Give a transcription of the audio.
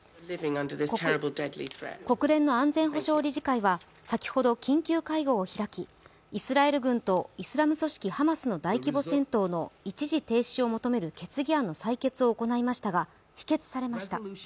国連の安全保障理事会は先ほど緊急会議を開きイスラエル軍とイスラム組織ハマスの大規模戦争の一時停止を求める決議案の採決を行いましたが否決されました。